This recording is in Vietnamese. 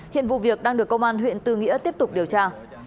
hiện vụ việc đang được công an huyện tư nghĩa tiếp tục điều tra